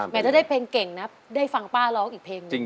แม้ถ้าได้เพลงเก่งนะได้ฟังป่าร้องอีกเพลง